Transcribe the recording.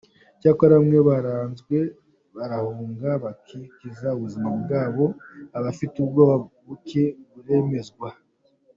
Cyokora bamwe baranze barahunga bakiza ubuzima bwabo, abafite ubwoba buke baremezwa.